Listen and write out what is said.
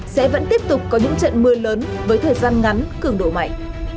sẽ vẫn tiếp tục có những trận mưa lớn với thời gian ngắn cường độ mạnh